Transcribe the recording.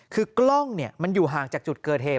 คือกล้องมันอยู่ห่างจากจุดเกิดเหตุ